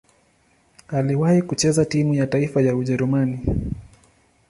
Aliwahi kucheza timu ya taifa ya Ujerumani.